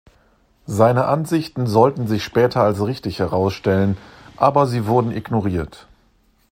Seine Ansichten sollten sich später als richtig herausstellen, aber sie wurden ignoriert.